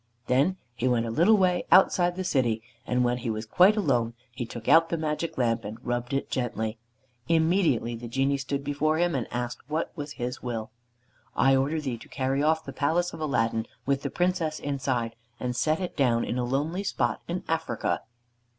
Then he went a little way outside the city, and when he was quite alone he took out the Magic Lamp and rubbed it gently. Immediately the Genie stood before him and asked what was his will. "I order thee to carry off the palace of Aladdin, with the Princess inside, and set it down in a lonely spot in Africa."